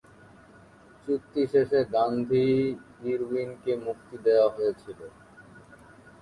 চুক্তি শেষে গান্ধী-ইরউইনকে মুক্তি দেওয়া হয়েছিল।